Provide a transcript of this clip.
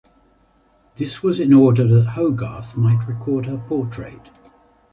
This was in order that Hogarth might record her portrait.